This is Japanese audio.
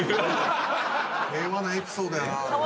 平和なエピソードやな。